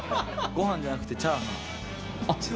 ごはんじゃなくてチャーハン。